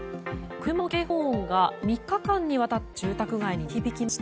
車の警報音が３日間にわたって住宅街に鳴り響きました。